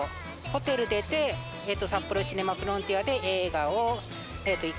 ホテル出て札幌シネマフロンティアで映画を。